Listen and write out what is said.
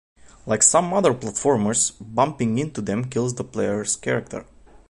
Like some other platformers, bumping into them kills the player's character.